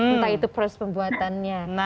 entah itu first pembuatannya